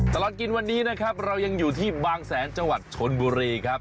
ตลอดกินวันนี้นะครับเรายังอยู่ที่บางแสนจังหวัดชนบุรีครับ